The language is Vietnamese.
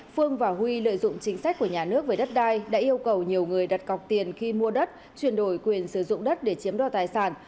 phương và huy lợi dụng chính sách của nhà nước về đất đai đã yêu cầu nhiều người đặt cọc tiền khi mua đất chuyển đổi quyền sử dụng đất để chiếm đo tài sản